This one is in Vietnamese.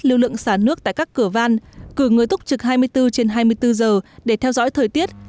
lưu lượng xả nước tại các cửa van cử người túc trực hai mươi bốn trên hai mươi bốn giờ để theo dõi thời tiết